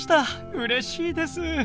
うれしいです。